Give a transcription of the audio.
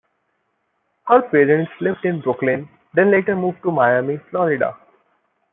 Her parents lived in Brooklyn, then later moved to Miami, Florida.